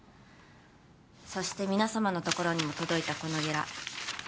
そして皆様のところにも届いたこのゲラ